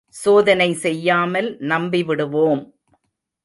சோதனை செய்யாமல் நம்பி விடுவோம்!